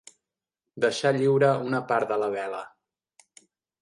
Deixar lliure una part de la vela.